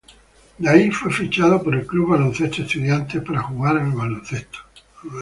De ahí, fue fichado por el Club Baloncesto Estudiantes para jugar al baloncesto.